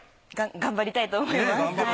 頑張りたいと思います。